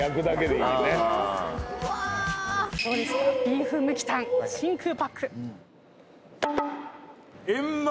ビーフムキタン真空パック。